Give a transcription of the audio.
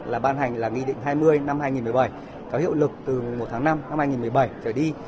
là ban hành là nghị định hai mươi năm hai nghìn một mươi bảy có hiệu lực từ một tháng năm năm hai nghìn một mươi bảy trở đi